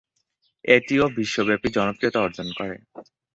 এটিও বিশ্বব্যাপী জনপ্রিয়তা অর্জন করে।